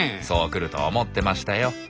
そう来ると思ってましたよ。